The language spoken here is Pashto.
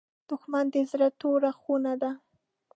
دښمن د زړه توره خونه ده